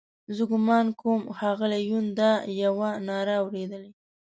زه ګومان کوم ښاغلي یون دا یوه ناره اورېدلې.